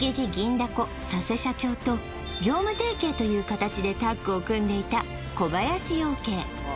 だこ佐瀬社長とという形でタッグを組んでいた小林養鶏